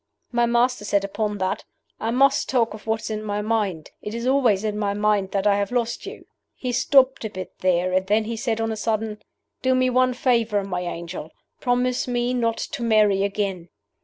My master said upon that, 'I must talk of what is in my mind; it is always in my mind that I have lost you.' He stopped a bit there, and then he said on a sudden, 'Do me one favor, my angel! Promise me not to marry again.